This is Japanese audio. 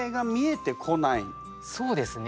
そうですね。